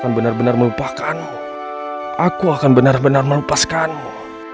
aku akan benar benar melupaskanmu